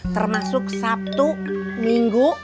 termasuk sabtu minggu